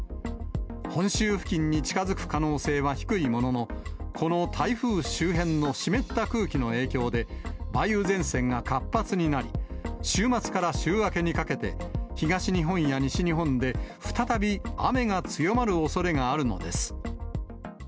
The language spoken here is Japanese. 本州付近に近づく可能性は低いものの、この台風周辺の湿った空気の影響で、梅雨前線が活発になり、週末から週明けにかけて、東日本や西日本で、再び雨が強まるおそれがあるのです。